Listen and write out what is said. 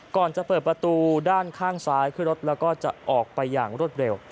ก่อนจะเปิดประตูด้านข้างซ้ายขึ้นรถแล้วก็จะออกไปอย่างรวดเร็ว